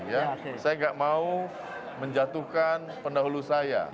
saya nggak mau menjatuhkan pendahulu saya